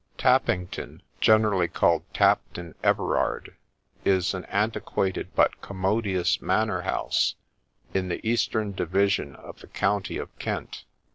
Tappington (generally called Tapton) Everard is an anti quated but commodious manor house in the eastern division of the county of Kent.